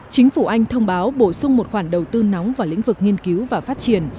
chính phủ anh thông báo bổ sung một khoản đầu tư nóng vào lĩnh vực nghiên cứu và phát triển